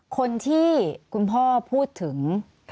คนที่คุณพ่อพูดถึง